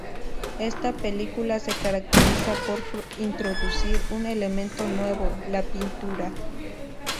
Esta película se caracteriza por introducir un elemento nuevo: la Pintura.